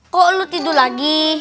kok lu tidur lagi